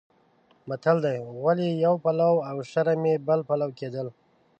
متل دی: غول یې یو پلو او شرم یې بل پلو کېدل.